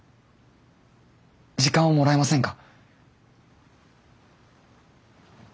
時間をもらえませんか？